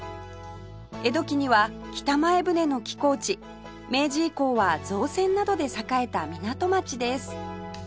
江戸期には北前船の寄港地明治以降は造船などで栄えた港町です